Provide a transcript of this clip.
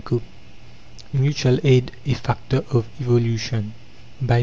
com MUTUAL AID A FACTOR OF EVOLUTION BY P.